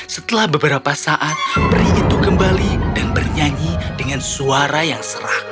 setelah beberapa saat peri itu kembali dan bernyanyi dengan suara yang serah